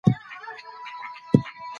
ایسټروجن د ډوپامین حساسیت هم لوړوي.